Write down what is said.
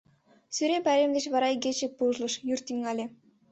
Сӱрем пайрем деч вара игече пужлыш, йӱр тӱҥале.